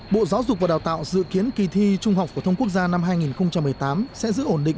bộ giáo dục và đào tạo dự kiến kỳ thi trung học phổ thông quốc gia năm hai nghìn một mươi tám sẽ giữ ổn định